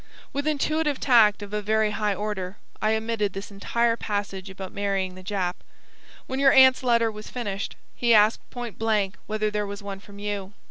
With intuitive tact of a very high order, I omitted this entire passage about marrying the Jap. When your aunt's letter was finished, he asked point blank whether there was one from you.